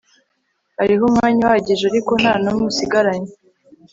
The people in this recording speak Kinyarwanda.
hariho umwanya uhagije, ariko nta n'umwe usigaranye